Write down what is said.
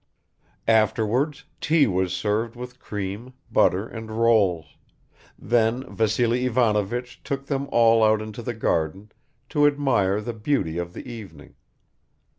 Afterwards tea was served with cream, butter and rolls; then Vassily Ivanovich took them all out into the garden to admire the beauty of the evening.